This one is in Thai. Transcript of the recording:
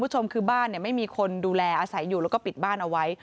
ใช่อยู่แล้วก็ปิดบ้านเอาไว้